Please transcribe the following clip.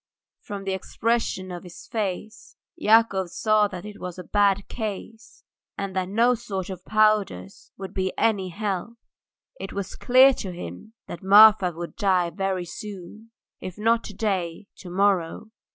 From the expression of his face Yakov saw that it was a bad case, and that no sort of powders would be any help; it was clear to him that Marfa would die very soon, if not to day, to morrow.